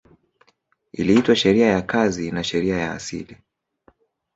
Iliitwa sheria ya kazi na sheria ya asili